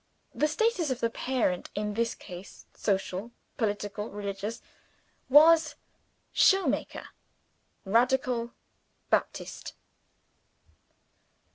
The status of the parent, in this case social political religious was Shoemaker Radical Baptist.